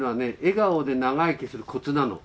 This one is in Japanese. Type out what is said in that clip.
笑顔で長生きするコツなの。